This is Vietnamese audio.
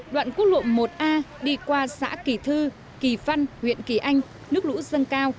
đoạn quốc lộ một a đi qua xã kỳ thư kỳ văn huyện kỳ anh nước lũ dâng cao